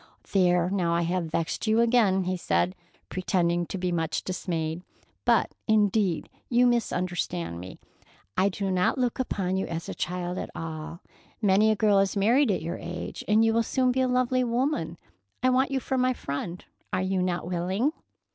"There, now I have vexed you again," he said, pretending to be much dismayed, "but indeed you misunderstand me. I do not look upon you as a child at all. Many a girl is married at your age, and you will soon be a lovely woman. I want you for my friend. Are you not willing?"